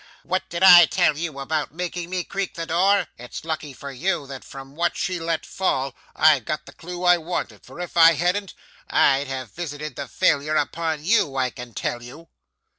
'What did I tell you about making me creak the door? It's lucky for you that from what she let fall, I've got the clue I want, for if I hadn't, I'd have visited the failure upon you, I can tell you.